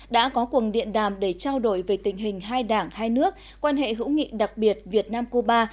đã có quần điện đàm để trao đổi về tình hình hai đảng hai nước quan hệ hữu nghị đặc biệt việt nam cuba